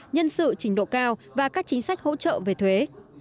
nhân sự trình độ cao và các chính sách hỗ trợ về thuế